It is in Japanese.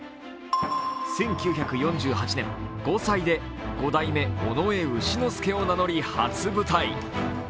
１９４８年５歳で五代目尾上丑之助を名乗り初舞台。